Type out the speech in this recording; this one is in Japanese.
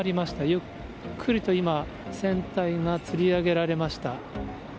ゆっくりと今、船体がつり上げられました。